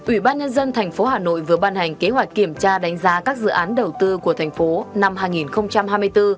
ủy ban nhân dân tp hà nội vừa ban hành kế hoạch kiểm tra đánh giá các dự án đầu tư của thành phố năm hai nghìn hai mươi bốn